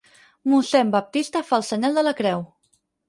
Mossèn Baptista fa el senyal de la creu.